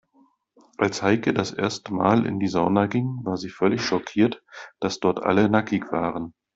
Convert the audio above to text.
Als Heike das erste Mal in die Sauna ging, war sie völlig schockiert, dass dort alle nackig waren.